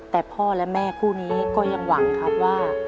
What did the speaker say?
แต่พ่อและแม่คู่นี้ก็ยังหวังครับว่า